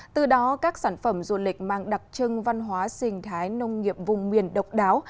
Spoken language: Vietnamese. từ đó các sản phẩm du lịch mang đặc trưng văn hóa sinh thái nông nghiệp vùng miền độc đáo